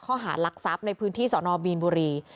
ข้อหารักทรัพย์ในพื้นที่สอนอมีนบุรี